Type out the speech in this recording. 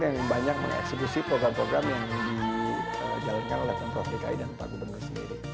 yang banyak mengeksekusi program program yang dijalankan oleh pemprov dki dan pak gubernur sendiri